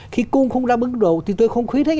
khi cung không ra mức đủ thì tôi không khuyết thích